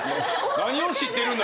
何を知っているんだ？